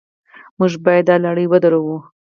موږ باید دا لړۍ ودروو.